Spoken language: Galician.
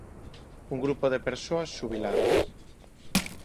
Un grupo de persoas xubiladas.